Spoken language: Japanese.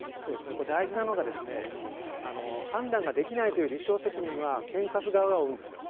これ、大事なのが、判断ができないという立証責任は、警察側が負うんです。